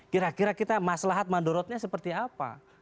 kira kira kita maslahat mandorotnya seperti apa